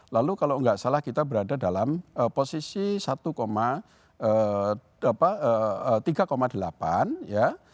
lalu kalau nggak salah kita berada dalam posisi satu tiga delapan ya